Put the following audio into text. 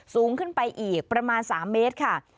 สูงขึ้นไปอีกประมาณ๓เมตรค่ะ